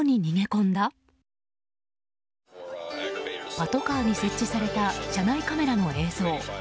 パトカーに設置された車内カメラの映像。